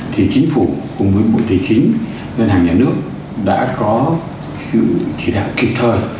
thì chính phủ cùng với bộ thế chính ngân hàng nhà nước đã có sự chỉ đạo kịch thời